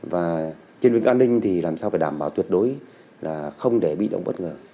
và trên đối với an ninh thì làm sao phải đảm bảo tuyệt đối là không để bị động bất ngờ